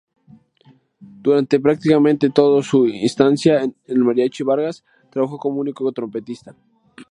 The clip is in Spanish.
Durante prácticamente toda su estancia en el Mariachi Vargas trabajó como único trompetista.